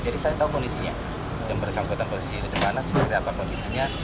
jadi saya tahu kondisinya yang bersangkutan posisi ini dimana seperti apa kondisinya